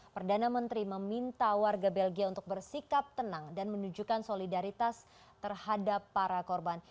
perdana menteri meminta warga belgia untuk bersikap tenang dan menunjukkan solidaritas terhadap para korban